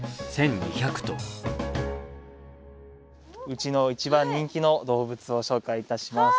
うちの一番人気の動物を紹介いたします。